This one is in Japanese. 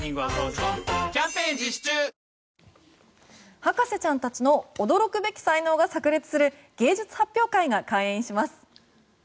博士ちゃんたちの驚くべき才能が炸裂する芸術発表会が開演します。